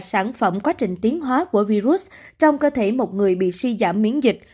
sản phẩm quá trình tiến hóa của virus trong cơ thể một người bị suy giảm miễn dịch